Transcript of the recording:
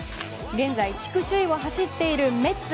現在、地区首位を走っているメッツ。